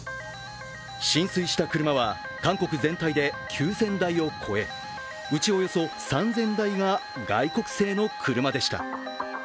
浸水した車は韓国全体で９０００台を超え、うちおよそ３０００台が外国製の車でした。